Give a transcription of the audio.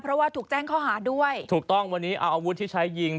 เพราะว่าถูกแจ้งข้อหาด้วยถูกต้องวันนี้เอาอาวุธที่ใช้ยิง